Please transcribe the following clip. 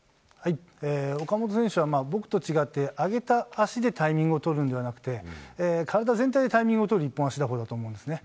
岡本選手は僕と違って、上げた足でタイミングを取るんではなくて、体全体でタイミングを取る一本足打法だと思うんですね。